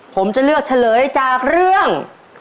ผมจะเลือกเฉลยจากเรื่อง